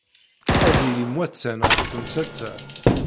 Ad yili mwatan Ɣef temsalt-a.